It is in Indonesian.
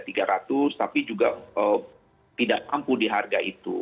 tapi juga tidak mampu di harga itu